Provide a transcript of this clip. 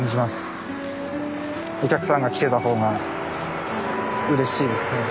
お客さんが来てた方がうれしいですね。